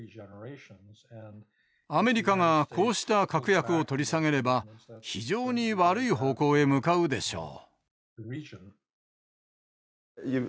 アメリカがこうした確約を取り下げれば非常に悪い方向へ向かうでしょう。